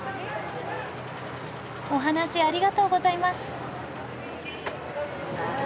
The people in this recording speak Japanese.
お話ありがとうございます。